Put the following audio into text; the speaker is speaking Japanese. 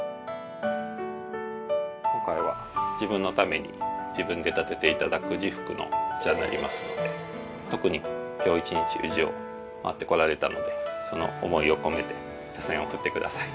今回は自分のために自分でたてていただく自服のお茶になりますので特に今日一日宇治を回ってこられたのでその思いを込めて茶せんを振ってください。